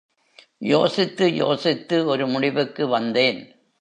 யோசித்து யோசித்து ஒரு முடிவுக்கு வந்தேன்.